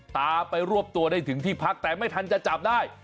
ตามไปรวบตัวได้ถึงที่พักแต่ไม่ทันจะจับได้